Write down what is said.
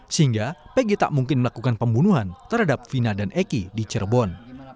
sehingga pg tak mungkin melakukan pembunuhan terhadap vina dan eki di cirebon